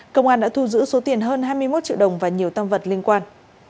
công an đã thu giữ số tiền hơn hai mươi một triệu đồng và nhiều tam vật liên quan